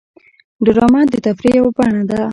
ډرامه د تفریح یوه بڼه ده